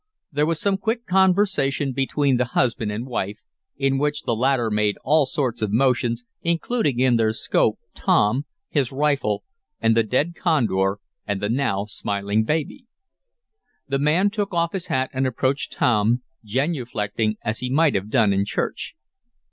There was some quick conversation between the husband and wife, in which the latter made all sorts of motions, including in their scope Tom, his rifle, the dead condor and the now smiling baby. The man took off his hat and approached Tom, genuflecting as he might have done in church.